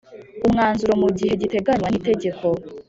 umwanzuro mu gihe giteganywa n itegeko